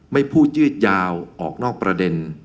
ไม่พูดยืดยาวออกนอกประเด็น